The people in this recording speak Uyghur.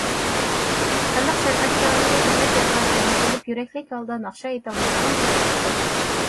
خەلق سەنئەتكارلىرى بىرەر جايغا جەم بولۇپ يۈرەكلىك ھالدا ناخشا ئېيتالمايدىغان بولۇپ قاپتۇ.